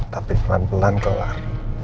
tapi pelan pelan kelar